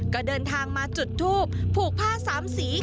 ก็เดินทางมาจุดทูบผูกผ้าสามสี